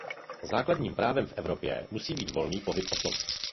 Základním právem v Evropě musí být volný pohyb osob.